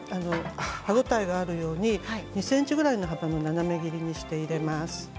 歯応えがあるように２ｃｍくらいの幅の斜め切りにして入れます。